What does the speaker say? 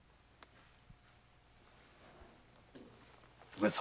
上様。